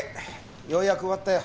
ようやく終わったよ。